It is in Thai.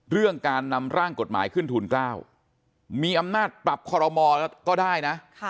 เรื่องการนำกฎหมายขึ้นทุนก้าวมีอำนาจปรับขอบลมีอาจก็ได้น่ะ